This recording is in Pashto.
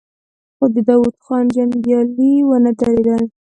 خو د داوود خان جنګيالي ونه درېدل.